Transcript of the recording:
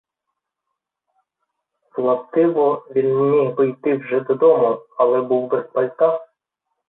Властиво, він міг би йти вже додому, але був без пальта.